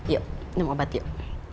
yuk minum obat yuk